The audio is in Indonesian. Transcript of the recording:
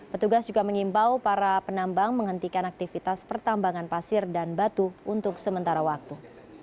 petugas juga mengimbau para penambang menghentikan aktivitas pertambangan pasir dan batu untuk sementara waktu